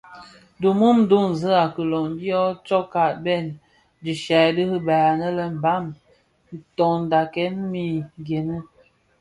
Di mum duňzi a kiloň dyo tsokka bèn dhishya di ribaï anë lè Mbam ntondakèn mii gene.